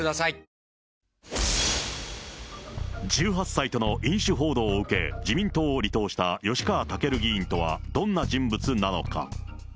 １８歳との飲酒報道を受け、自民党を離党した吉川赳議員とはどんな人物なのか。